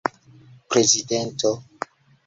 prezidento